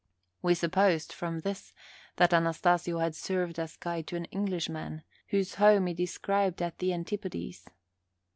We supposed, from this, that Anastasio had served as guide to an Englishman, whose home he described at the Antipodes.